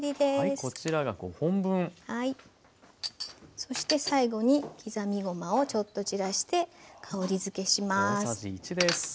そして最後に刻みごまをちょっと散らして香りづけします。